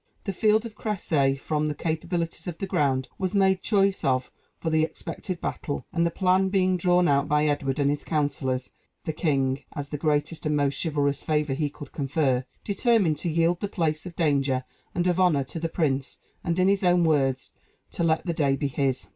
The field of Crécy, from the capabilities of the ground, was made choice of for the expected battle; and the plan being drawn out by Edward and his counsellors, the king, as the greatest and most chivalrous favor he could confer, determined to yield the place of danger and of honor to the prince, and in his own words, "to let the day be his."